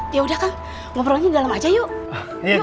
biar banyak biar bisa dibawa pulang